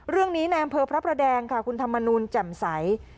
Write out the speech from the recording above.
เรื่องนี้แนมเพลิงพระพระแดงค่ะคุณธรรมนูลแจ่มใส